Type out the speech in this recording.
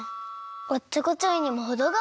おっちょこちょいにもほどがある！